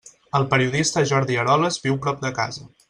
El periodista Jordi Eroles viu prop de casa.